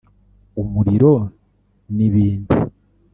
umuriro n’ibindi